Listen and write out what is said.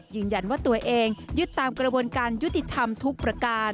ยืนยันว่าตัวเองยึดตามกระบวนการยุติธรรมทุกประการ